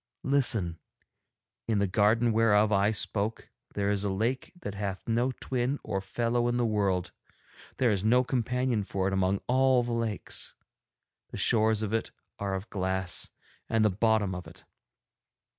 Listen. In the garden whereof I spoke there is a lake that hath no twin or fellow in the world; there is no companion for it among all the lakes. The shores of it are of glass, and the bottom of it.